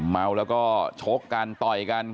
เมาแล้วก็ชกกันต่อยกัน